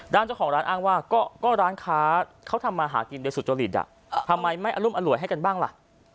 เจ้าของร้านอ้างว่าก็ร้านค้าเขาทำมาหากินโดยสุจริตทำไมไม่อรุมอร่วยให้กันบ้างล่ะ